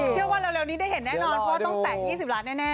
เชื่อว่าเร็วนี้ได้เห็นแน่นอนเพราะว่าต้องแตะ๒๐ล้านแน่